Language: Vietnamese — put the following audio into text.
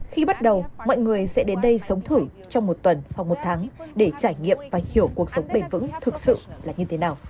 khi bắt đầu mọi người sẽ đến đây sống thử trong một tuần hoặc một tháng để trải nghiệm và hiểu cuộc sống bền vững thực sự là như thế nào